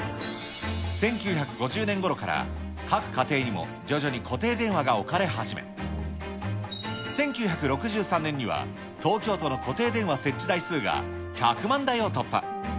１９５０年ごろから各家庭にも徐々に固定電話が置かれ始め、１９６３年には、東京都の固定電話設置台数が、１００万台を突破。